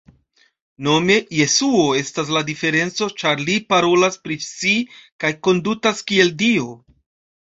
Nome Jesuo estas la diferenco ĉar li parolas pri si kaj kondutas kiel Dio!